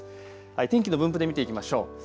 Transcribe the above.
天気の分布で見ていきましょう。